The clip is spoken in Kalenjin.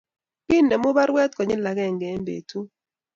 Kibemu baruet konyil agenge eng betut